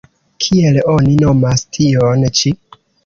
Kiel oni nomas tion-ĉi?